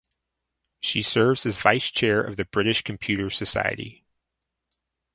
She serves as Vice Chair of the British Computer Society.